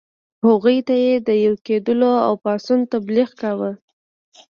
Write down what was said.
هغوی ته یې د یو کېدلو او پاڅون تبلیغ کاوه.